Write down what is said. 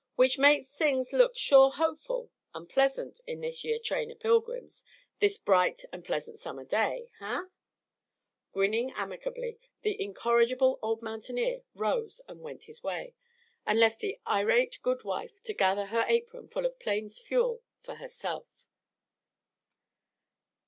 Which makes things look shore hopeful an' pleasant in this yere train o' pilgrims, this bright and pleasant summer day, huh?" Grinning amicably, the incorrigible old mountaineer rose and went his way, and left the irate goodwife to gather her apron full of plains fuel for herself.